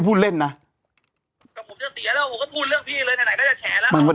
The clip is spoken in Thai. พูดเรื่องจริงนะ